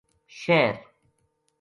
شہر